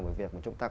với việc mà chúng ta